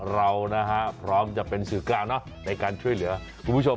เรานะฮะพร้อมจะเป็นสื่อกลางในการช่วยเหลือคุณผู้ชม